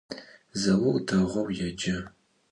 Zaur değou yêce.